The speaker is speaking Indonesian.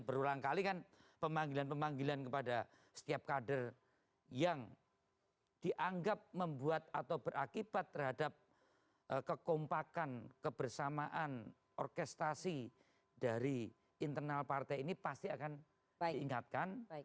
berulang kali kan pemanggilan pemanggilan kepada setiap kader yang dianggap membuat atau berakibat terhadap kekompakan kebersamaan orkestasi dari internal partai ini pasti akan diingatkan